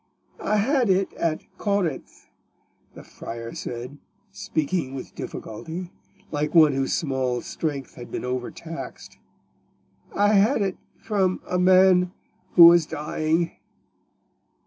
"I had it at Corinth," the friar said, speaking with difficulty, like one whose small strength had been overtaxed—"I had it from a man who was dying."